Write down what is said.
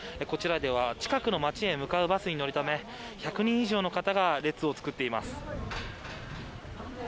こちらでは近くの街へ向かうバスに乗るため１００人以上の方が列を作っています。